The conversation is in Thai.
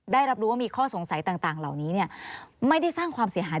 ได้รับรู้ว่ามีข้อสงสัยต่างเหล่านี้ไม่ได้สร้างความเสียหาย